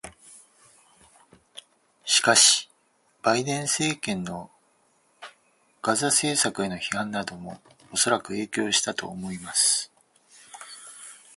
しかし、バイデン政権のガザ政策への批判などもおそらく影響したと思います。